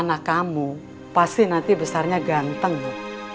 anak kamu pasti nanti besarnya ganteng bu